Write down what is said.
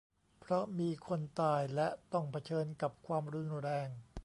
เพราะมีคนตาย และ ต้องเผชิญกับความรุนแรง